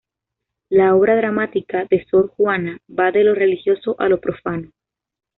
La obra dramática de Sor Juana va de lo religioso a lo profano.